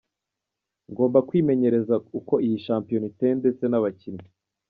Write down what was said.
Ngomba kwimenyereza uko iyi shampiyona iteye ndetse n'abakinnyi.